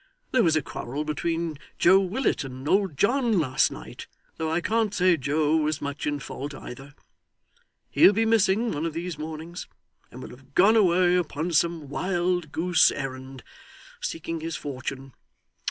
There was a quarrel between Joe Willet and old John last night though I can't say Joe was much in fault either. He'll be missing one of these mornings, and will have gone away upon some wild goose errand, seeking his fortune.